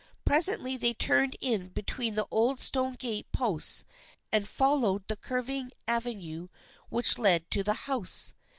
Presently they turned in between the old stone gate posts and followed the curving ave nue which led to the house.